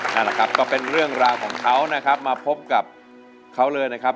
นั่นแหละครับก็เป็นเรื่องราวของเขานะครับมาพบกับเขาเลยนะครับ